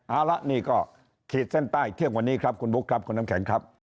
เอาละนี่ก็ขีดเส้นใต้เที่ยงวันนี้ครับคุณบุ๊คครับคุณน้ำแข็งครับ